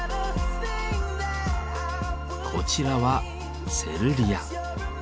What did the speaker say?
こちらは「セルリア」。